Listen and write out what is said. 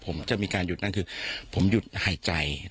ผมจะมีการหยุดนั่นคือผมหยุดหายใจ